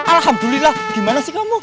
alhamdulillah gimana sih kamu